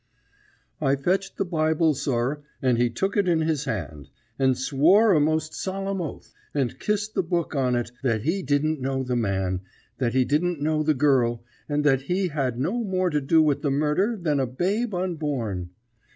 "I fetched the Bible, sir, and he took it in his hand, and swore a most solemn oath, and kissed the book on it, that he didn't know the man, that he didn't know the girl, and that he had no more to do with the murder than a babe unborn.